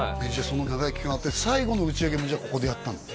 その長い期間あって最後の打ち上げもじゃあここでやったの？